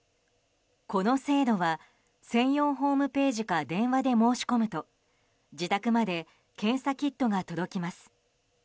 この制度は専用ホームページか電話で申し込むと自宅まで検査キットが届きます。